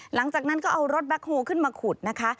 หลังจากนั้นก็เอารถแบ็คโฮลขึ้นมาขุดนะคะ